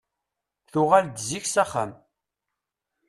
Tuɣal-d zik s axxam.